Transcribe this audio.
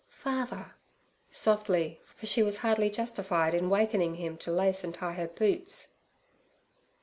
'Father' softly, for she was hardly justified in wakening him to lace and tie her boots.